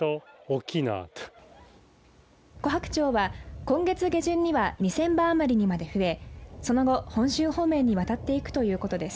コハクチョウは、今月下旬には２０００羽余りにまで増えその後、本州方面に渡っていくということです。